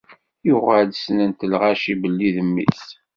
Yuɣal snent lɣaci belli d mmi-s.